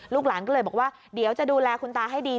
หลานก็เลยบอกว่าเดี๋ยวจะดูแลคุณตาให้ดี